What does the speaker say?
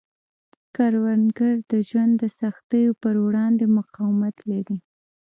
کروندګر د ژوند د سختیو پر وړاندې مقاومت لري